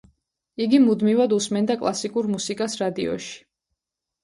იგი მუდმივად უსმენდა კლასიკურ მუსიკას რადიოში.